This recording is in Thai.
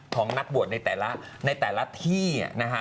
ของนักบวชในแต่ละที่นะฮะ